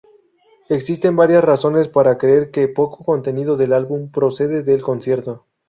Existe varias razones para creer que poco contenido del álbum procede del concierto.